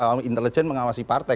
jangan dilihat hanya sekedar mengawasi